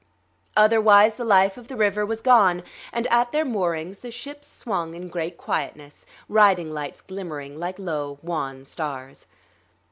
Otherwise the life of the river was gone; and at their moorings the ships swung in great quietness, riding lights glimmering like low wan stars.